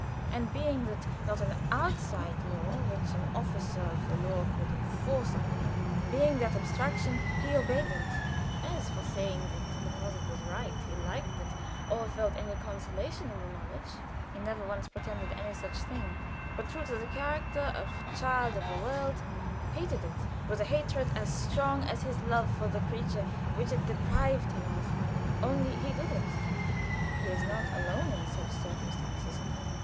and being that not an outside law which an officer of the law could enforce upon him; being that abstraction, he obeyed it. As for saying that because it was right he liked it, or felt any consolation from the knowledge he never once pretended to any such thing; but, true to his character of Child of the World, hated it with a hatred as strong as his love for the creature which it deprived him of. Only he did it. He is not alone in such circumstances.